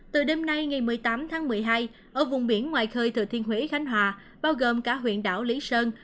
từ đêm nay ngày một mươi tám tháng một mươi hai ở vùng biển ngoài khơi thừa thiên huế khánh hòa bao gồm cả huyện đảo lý sơn